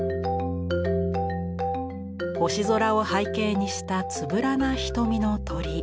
星空を背景にしたつぶらな瞳の鳥。